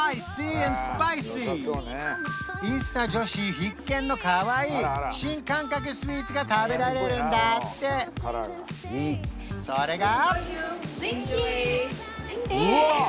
インスタ女子必見のかわいい新感覚スイーツが食べられるんだってそれがえ！